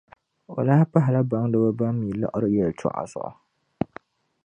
O lahi pahila baŋdiba ban mi liɣiri yɛltɔɣa zuɣu.